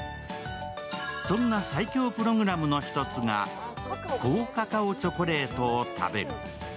そんな最強プログラムの１つが高カカオチョコレートを食べる。